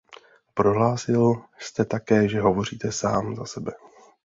Prohlásil jste také, že hovoříte sám za sebe.